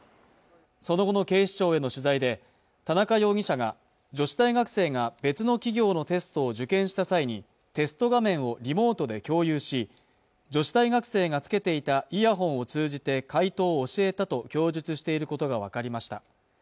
その後の警視庁への取材で田中容疑者が女子大学生が別の企業のテストを受験した際にテスト画面をリモートで共有し女子大学生がつけていたイヤホンを通じて解答を教えたと供述していることが分かりました